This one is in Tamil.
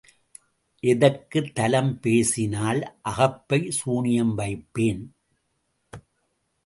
எதற்கு தலம் பேசினால் அகப்பைச் சூன்யம் வைப்பேன்.